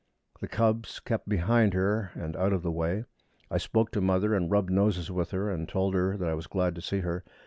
The cubs kept behind her and out of the way. I spoke to mother and rubbed noses with her, and told her that I was glad to see her.